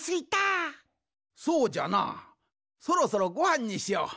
そうじゃなそろそろごはんにしよう。